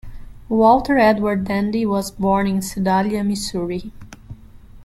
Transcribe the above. Walter Edward Dandy was born in Sedalia, Missouri.